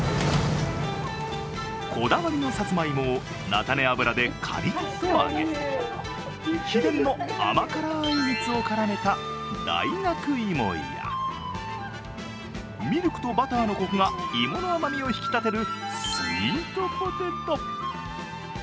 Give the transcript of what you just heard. こだわりのさつまいもを菜種油でかりっと揚げ、秘伝の甘辛い蜜を絡めた大学芋やミルクとバターのコクが芋の甘味を引き立てるスイートポテト。